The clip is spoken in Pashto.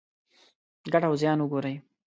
ګټه او زیان وګورئ.